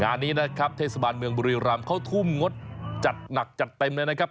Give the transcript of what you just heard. งานนี้นะครับเทศบาลเมืองบุรีรำเขาทุ่มงดจัดหนักจัดเต็มเลยนะครับ